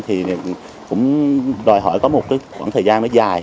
thì cũng đòi hỏi có một khoảng thời gian dài